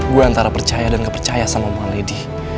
gue antara percaya dan gak percaya sama buang lady